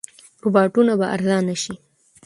روباټونه به ارزانه شي.